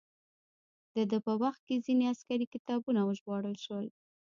د ده په وخت کې ځینې عسکري کتابونه وژباړل شول.